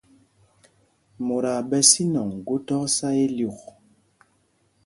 Mot aa ɓɛ sínɔŋ gu thɔk sá ilyûk.